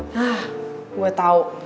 nah gue tau